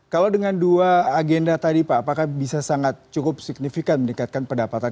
kalau dengan dua agenda tadi pak apakah bisa sangat cukup signifikan meningkatkan pendapatan